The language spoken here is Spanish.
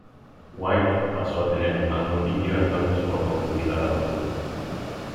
Wild pasó a tener el mando y dio entonces por concluida la aventura.